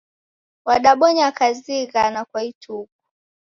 Wadabonya kazi ighana kwa ituku.